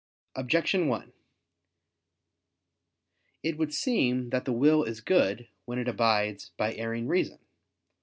Objection 1: It would seem that the will is good when it abides by erring reason.